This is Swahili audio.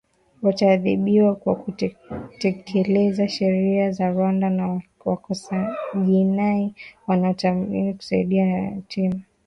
wataadhibiwa kwa kutekeleza sheria za rwanda za wakosajinai wanaostahili kusaidiwa ni yatima